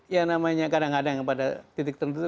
ya namanya kadang kadang pada titik tertentu